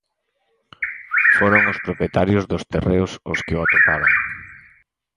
Foron os propietarios dos terreos os que o atoparon.